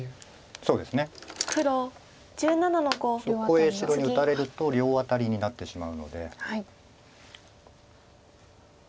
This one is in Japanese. そこへ白に打たれると両アタリになってしまうので。